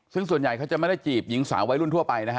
ซึ่งส่วนใหญ่เขาจะไม่ได้จีบหญิงสาววัยรุ่นทั่วไปนะฮะ